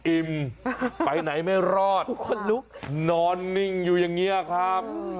อิ่มไปไหนไม่รอดนอนนิ่งอยู่อย่างนี้ครับ